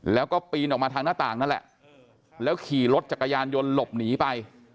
แล้วก็ปีนออกมาทางหน้าต่างนั่นแหละแล้วขี่รถจักรยานยนต์หลบหนีไป